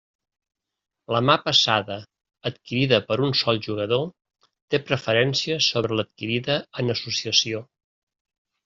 La mà passada adquirida per un sol jugador té preferència sobre l'adquirida en associació.